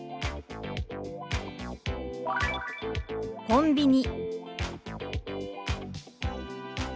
「コンビニ」。